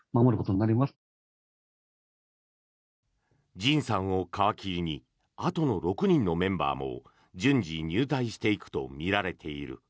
ＪＩＮさんを皮切りにあとの６人のメンバーも順次入隊していくとみられている。